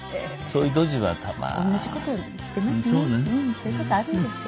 そういう事あるんですよ。